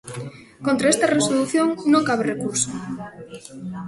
Contra esta resolución non cabe recurso.